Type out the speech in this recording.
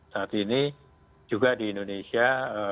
saat ini juga di indonesia